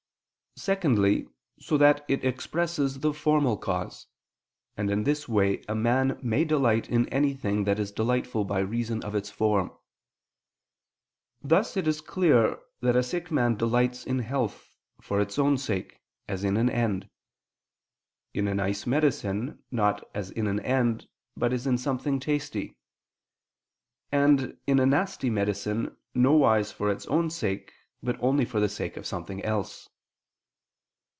Secondly, so that it expresses the formal cause; and in this way, a man may delight in anything that is delightful by reason of its form. Thus it is clear that a sick man delights in health, for its own sake, as in an end; in a nice medicine, not as in an end, but as in something tasty; and in a nasty medicine, nowise for its own sake, but only for the sake of something else.